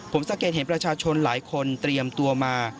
ผมสังเกตเห็นประชาชนหลายคนเตรียมตัวมา